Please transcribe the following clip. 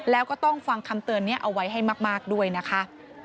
แล้วก็ต้องฟังคำเตือนนี้เอาไว้ให้มากด้วยนะคะ